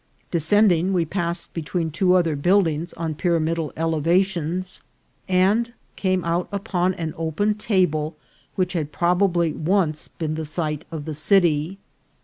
Descending, we passed be tween two other buildings on pyramidal elevations, and came out upon an open table which had probably once been the site of the city.